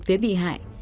phía bị hại